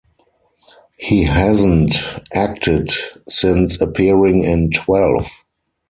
He hasn't acted since appearing in "Twelve".